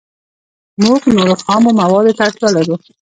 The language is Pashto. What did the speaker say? موږ نورو خامو موادو ته اړتیا لرو